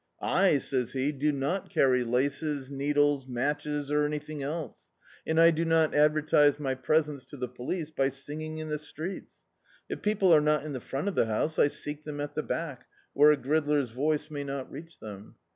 "I," says he, "do not carry laces, needles, matches, or anything else; and I do not advertise my presence to the police by sin^ng in the streets. If people are not in the front of the house, I seek them at the back, where a gridler's voice may not reach them.